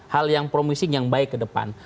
hal yang promising yang baik kedepan